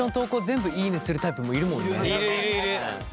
全部「いいね！」するタイプもいるもんね。